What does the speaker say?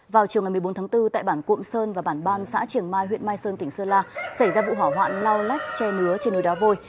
vào chiều ngày một mươi bốn tháng bốn tại bản cụm sơn và bản ban xã triển mai huyện mai sơn tỉnh sơn la xảy ra vụ hỏa hoạn lau lách che nứa trên núi đá vôi